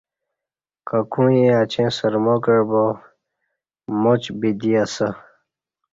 ککُعین اچیں سرما کعبا ماچ بدی اسہ